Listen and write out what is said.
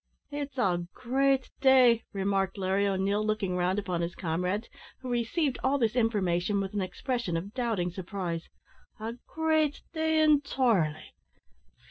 "It's a great day!" remarked Larry O'Neil, looking round upon his comrades, who received all this information with an expression of doubting surprise; "a great day intirely!